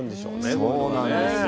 そうなんですよ。